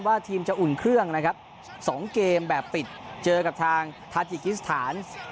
ทีมจะอุ่นเครื่องนะครับ๒เกมแบบปิดเจอกับทางทาจิกิสถาน